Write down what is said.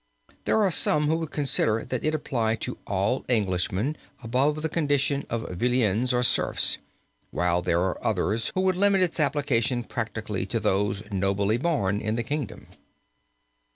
There are some who would consider that it applied to all Englishmen above the condition of villeins or serfs, while there are others who would limit its application practically to those nobly born in the kingdom.